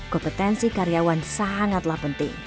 kompetensi karyawan sangatlah penting